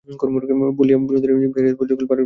বলিয়া বিনোদিনী বিহারীর পদযুগল বার বার চুম্বন করিল।